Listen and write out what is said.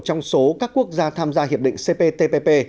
trong số các quốc gia tham gia hiệp định cptpp